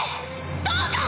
どうか！